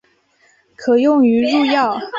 可用于入药。